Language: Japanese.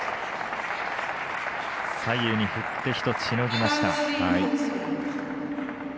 左右に振って１つしのぎました。